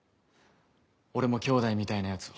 俺も兄弟みたいな奴を。